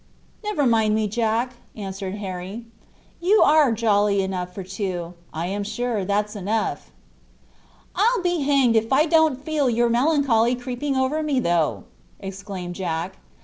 "Never mind me, Jack," answered Harry. "You are jolly enough for two, I'm sure; that's enough." "I'll be hanged if I don't feel your melancholy creeping over me though!" exclaimed Jack.